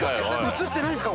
写ってないんですか？